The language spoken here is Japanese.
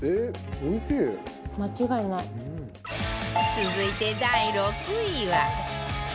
続いて第６位は